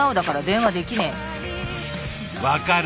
分かる！